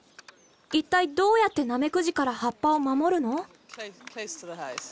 一体どうやってナメクジから葉っぱを守るの？